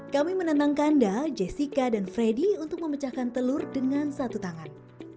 kami menentang kanda jessica dan freddy untuk memecahkan telur dengan satu tangan